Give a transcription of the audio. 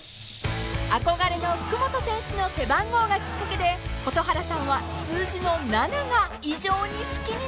［憧れの福本選手の背番号がきっかけで蛍原さんは数字の７が異常に好きになってしまったそうで］